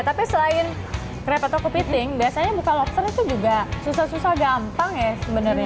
tapi selain krepot atau kepiting biasanya buka lobster itu juga susah susah gampang ya sebenarnya